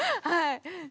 はい。